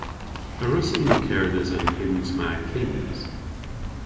A wrussyn ni kerdhes an hyns ma kyns?